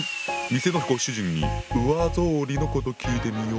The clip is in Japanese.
店のご主人に上草履のこと聞いてみよう。